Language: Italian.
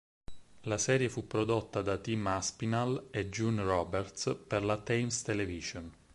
La serie fu prodotta da Tim Aspinall e June Roberts per la Thames Television.